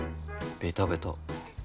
ベタベタ。